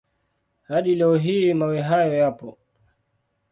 Hadi leo hii mawe hayo yapo.